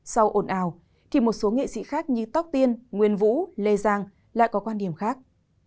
sau ồn ào thì một số nghệ sĩ khác như tóc tiên nguyên vũ lê giang lại có quan điểm khác